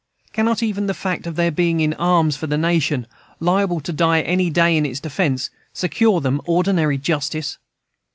Cannot even the fact of their being in arms for the nation, liable to die any day in its defence, secure them ordinary justice?